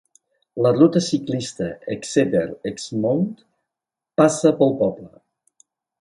La ruta ciclista Exeter-Exmouth passa pel poble.